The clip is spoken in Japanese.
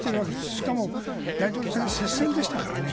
しかも、大統領選接戦でしたからね。